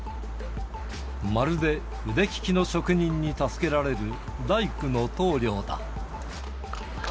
まるで腕利きの職人に助けられる大工の棟りょうだ。